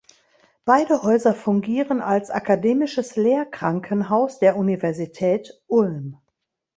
Beide Häuser fungieren als Akademisches Lehrkrankenhaus der Universität Ulm.